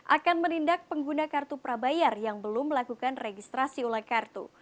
akan menindak pengguna kartu prabayar yang belum melakukan registrasi ulang kartu